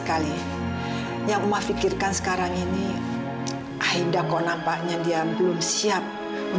kepala saya ini lagi pusing